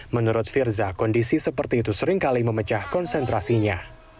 menurut firza kondisi seperti itu seringkali memecah konsentrasinya